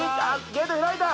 ゲート開いた！